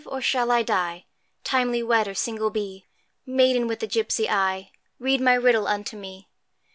or shall I die? Timely wed, or single be? Maiden with the gipsy eye, Read my riddle unto me!